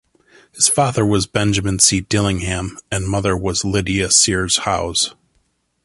His father was Benjamin C. Dillingham and mother was Lydia Sears Howes.